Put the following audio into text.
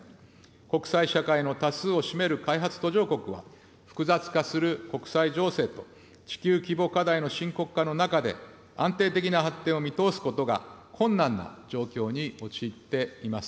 国際社会の多数を占める開発途上国は、複雑化する国際情勢と地球規模課題の深刻化の中で、安定的な発展を見通すことが困難な状況に陥っています。